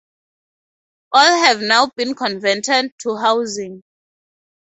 All have now been converted to housing.